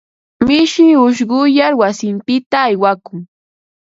Mishi ushquyar wasinpita aywakun.